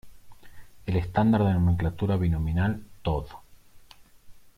El estándar de nomenclatura binominal Tod.